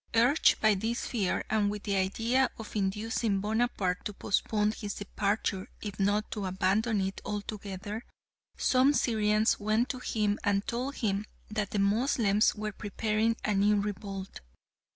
Urged by this fear and with the idea of inducing Bonaparte to postpone his departure if not to abandon it altogether, some Syrians went to him and told him that the Moslems were preparing a new revolt.